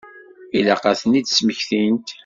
Ilaq ad ten-id-smektint.